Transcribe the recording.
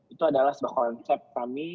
itu adalah sebuah konsep kami